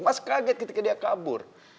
mas kaget ketika dia kabur